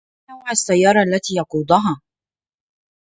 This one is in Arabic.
ما نوع السيارة التي يقودها؟